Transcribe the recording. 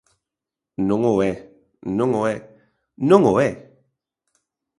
Non o é, non o é, ¡non o é!